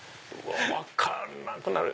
分かんなくなる！